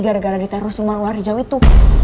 gara gara diteror silman ular hijau itu